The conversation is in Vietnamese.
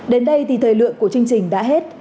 đến đây thì thời lượng của chương trình đã hết